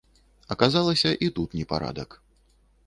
Аказалася, і тут непарадак.